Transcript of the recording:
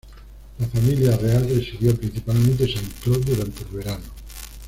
La Familia Real residió principalmente en Saint-Cloud durante el verano.